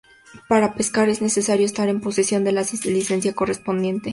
Para pescar, es necesario estar en posesión de la licencia correspondiente.